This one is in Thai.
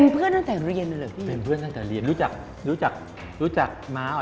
ปากฉลาม